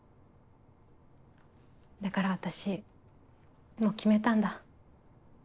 だから私もう決めたんだ。